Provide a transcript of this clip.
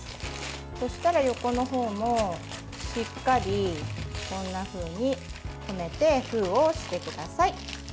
そしたら横の方もしっかりこんなふうに留めて封をしてください。